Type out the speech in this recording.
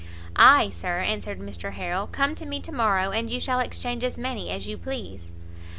"Ay, Sir," answered Mr Harrel, "come to me to morrow, and you shall exchange as many as you please."